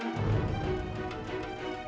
telah sampai lasuk kita